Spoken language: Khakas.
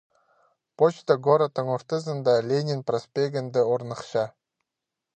Почта городтың ортызында Ленин проспегінде орныхча.